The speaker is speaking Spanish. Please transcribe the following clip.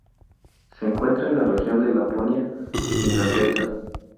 Se encuentra en la región de Laponia finlandesa.